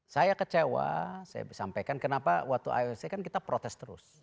saya kecewa saya sampaikan kenapa waktu ioc kan kita protes terus